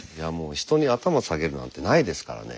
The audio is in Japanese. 人に頭下げるなんてないですからね。